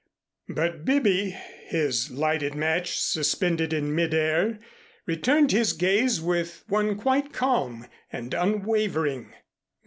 But Bibby, his lighted match suspended in mid air, returned his gaze with one quite calm and unwavering.